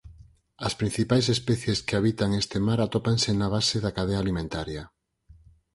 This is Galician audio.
As principais especies que habitan este mar atópanse na base da cadea alimentaria.